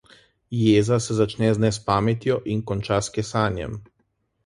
Jeza se začne z nespametjo in konča s kesanjem.